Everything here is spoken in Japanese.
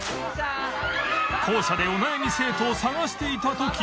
校舎でお悩み生徒を探していた時に